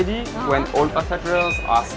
dan kemudian saya tekan go